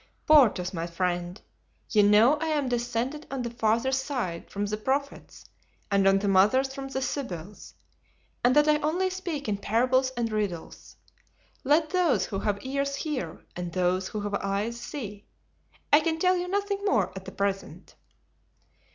"Porthos, my friend, you know I am descended on the father's side from the Prophets and on the mother's from the Sybils, and that I only speak in parables and riddles. Let those who have ears hear and those who have eyes see; I can tell you nothing more at present."